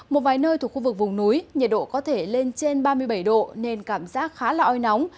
một vài nơi thuộc khu vực vùng núi nhiệt độ có thể lên trên ba mươi bảy độ nên cảm giác khá là oi nóng